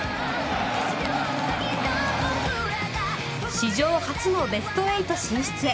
史上初のベスト８進出へ。